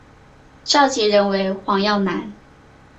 召集人为黄耀南。